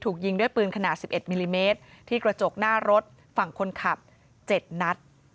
ถูกยิงด้วยปืนขนาด๑๑มิลลิเมตรที่กระจกหน้ารถฝั่งคนขับ๗นัด